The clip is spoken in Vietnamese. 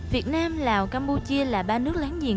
việt nam lào campuchia là ba nước láng giềng